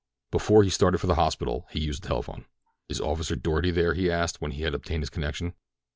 Before he started for the hospital he used the telephone. "Is Officer Doarty there?" he asked, when he had obtained his connection.